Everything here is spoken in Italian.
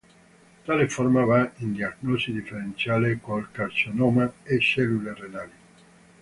Tale forma va in diagnosi differenziale col carcinoma a cellule renali.